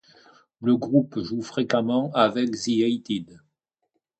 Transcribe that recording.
Le groupe joue fréquemment avec The Hated.